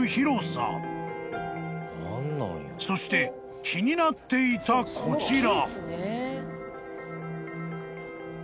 ［そして気になっていたこちら］